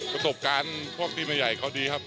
ประสบการณ์พวกทีมใหญ่เขาดีครับ